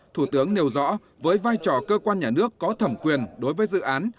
thủ tướng nêu rõ với vai trò cơ quan nhà nước có thẩm quyền đối với dự án